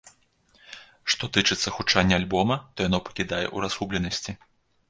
Што тычыцца гучання альбома, то яно пакідае ў разгубленасці.